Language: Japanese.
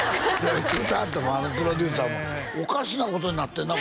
言うてはったもんあのプロデューサーもおかしなことになってんな